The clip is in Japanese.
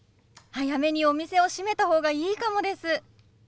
早めにお店を閉めた方がいいかもです。